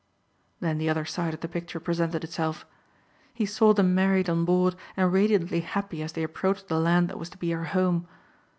Then the other side of the picture presented itself. He saw them married on board and radiantly happy as they approached the land that was to be her home.